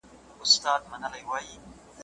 که دا مېنه د میرویس وای که دا قام د احمدشاه وای ,